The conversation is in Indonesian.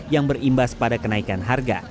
yang berimbas pada kenaikan harga